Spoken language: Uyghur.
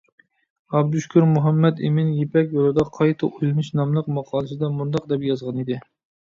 ئابدۇشۈكۈر مۇھەممەتئىمىن «يىپەك يولىدا قايتا ئويلىنىش» ناملىق ماقالىسىدە مۇنداق دەپ يازغانىدى.